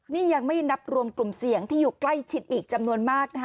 นี่ยังไม่นับรวมกลุ่มเสี่ยงที่อยู่ใกล้ชิดอีกจำนวนมากนะคะ